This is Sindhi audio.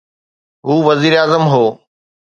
هو وزيراعظم هو.